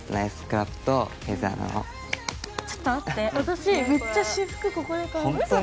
ちょっと待って私めっちゃ私服ここで買うホントに？